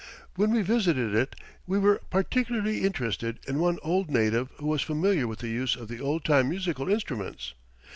When we visited it, we were particularly interested in one old native who was familiar with the use of the old time musical instruments.